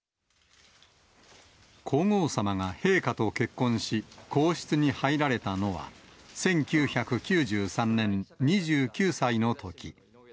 皇后さまが陛下と結婚し、皇室に入られたのは１９９３年２９歳のとき。